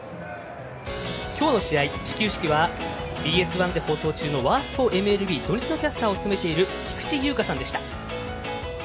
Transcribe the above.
今日の試合、始球式ではＢＳ１で放送中の「ワースポ×ＭＬＢ」土日のキャスターを務めている菊池柚花さんでした。